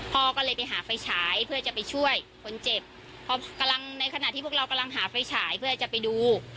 พ่อก็เลยไปหาไฟฉายเพื่อจะไปช่วยคนเจ็บพอกำลังในขณะที่พวกเรากำลังหาไฟฉายเพื่อจะไปดู